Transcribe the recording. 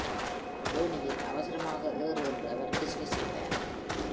"ஏணியில் அவசரமாக ஏறு," என்று அவர் கிசுகிசுத்தார்.